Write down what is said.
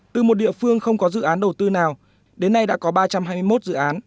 từ một địa phương không có dự án đầu tư nào đến nay đã có ba trăm hai mươi một dự án